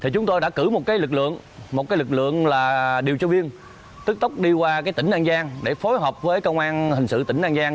chúng tôi đã cử một lực lượng điều tra viên tức tốc đi qua tỉnh an giang để phối hợp với công an hình sự tỉnh an giang